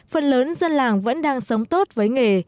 phần lớn dân làng vẫn đang sống tốt với nghề